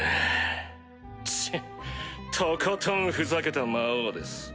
チッとことんふざけた魔王です